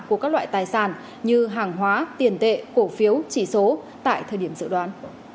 của các loại tài sản như hàng hóa tiền tệ cổ phiếu chỉ số tại thời điểm dự đoán